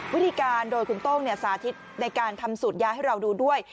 วิธีการโดยคุณโต้งสาธิตในการทำสูตรยาให้เราดูด้วย